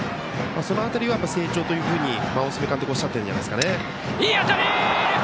その辺りを成長というふうに大角監督おっしゃってるんじゃないでしょうか。